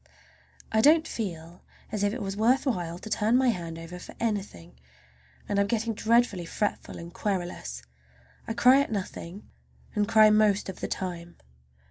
I don't feel as if it was worth while to turn my hand over for anything, and I'm getting dreadfully fretful and querulous. I cry at nothing, and cry most of the time.